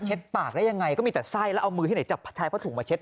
เช็ดปากนั้นได้ยังไงก็มีแต่ไซ่แล้วเอามือที่ไหนจับผาถุงมาเช็ด